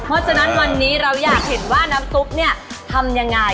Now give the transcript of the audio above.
เพราะฉะนั้นวันนี้เราอยากเห็นว่าน้ำซุปเนี่ยทำยังไง